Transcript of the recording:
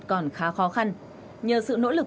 còn khá khó khăn nhờ sự nỗ lực